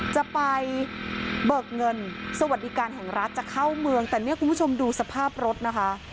จะไปเบิกเงินสวัสดิการแห่งรัฐจะเข้าเมืองแต่เนี่ยคุณผู้ชมดูสภาพรถนะคะ